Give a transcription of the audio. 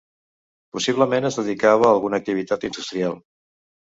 Possiblement es dedicava a alguna activitat industrial.